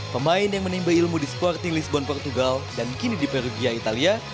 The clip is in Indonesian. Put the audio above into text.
pemain yang menimba ilmu di sporting lisbon portugal dan kini di belgia italia